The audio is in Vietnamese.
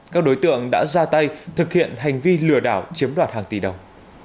các đối tượng đã ra tay thực hiện hành vi lừa đảo chiếm đoạt hàng tỷ đồng